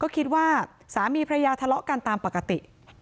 ก็คิดว่าสามีพระยาทะเลาะกันตามปกติ